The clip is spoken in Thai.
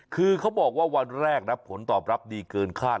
คือเขาบอกว่าวันแรกนะผลตอบรับดีเกินคาด